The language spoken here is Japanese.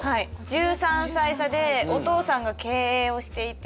１３歳差でお父さんが経営をしていて。